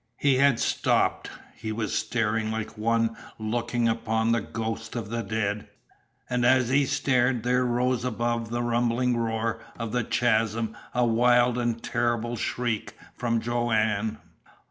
He had stopped; he was staring like one looking upon the ghost of the dead, and as he stared there rose above the rumbling roar of the chasm a wild and terrible shriek from Joanne.